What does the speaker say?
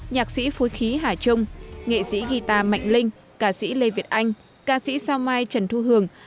nhạc sĩ phối khí hà trung nghệ sĩ guitar mạnh linh ca sĩ lê việt anh ca sĩ sao mai trần thu hường